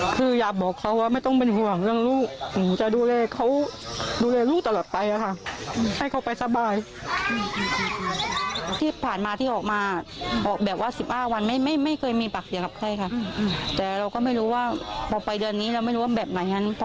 เขาก็ขยันนะคะเพราะว่าเขาเป็นสาวหลักของนู้นอยู่กับลูก